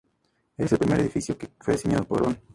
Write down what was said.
Ese es el primer edificio que fue diseñado por Ron Arad.